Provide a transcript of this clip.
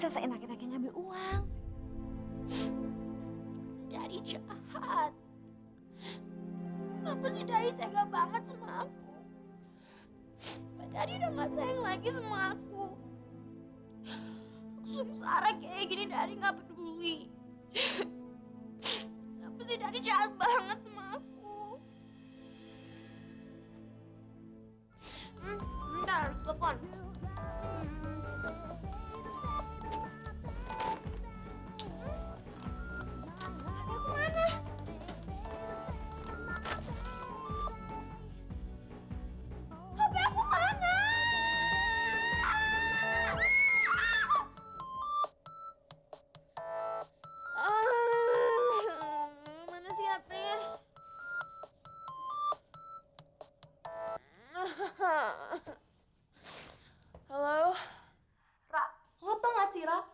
ah bapak aku bagian hitung hitung duit aja di dalam panas di luar